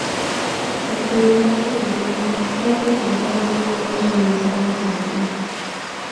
El calendario del torneo fue presentado una vez realizado el sorteo.